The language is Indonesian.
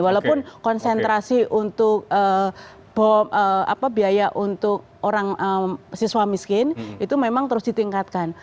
walaupun konsentrasi untuk biaya untuk orang siswa miskin itu memang terus ditingkatkan